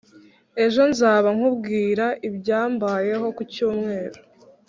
Ejo nzaba nkubwira ibyambayeho kucyumweru